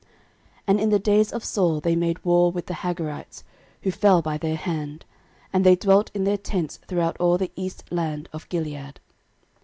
13:005:010 And in the days of Saul they made war with the Hagarites, who fell by their hand: and they dwelt in their tents throughout all the east land of Gilead.